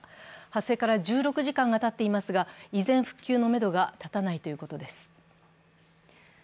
発生から１６時間がたっていますが依然、復旧のめどが立たないということです。